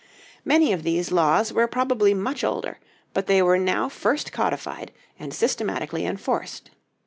Many of these laws were probably much older; but they were now first codified and systematically enforced.